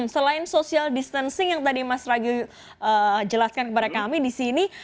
selain social distancing yang tadi mas ragi jelaskan kepada kami di sini